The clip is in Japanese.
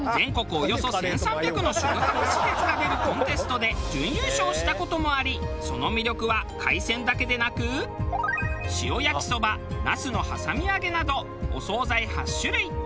およそ１３００の宿泊施設が出るコンテストで準優勝した事もありその魅力は海鮮だけでなく塩やきそばナスのはさみ揚げなどお総菜８種類。